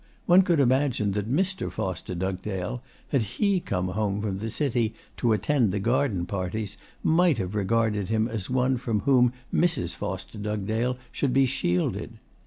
One could imagine that Mr. Foster Dugdale, had he come home from the City to attend the garden parties, might have regarded him as one from whom Mrs. Foster Dugdale should be shielded.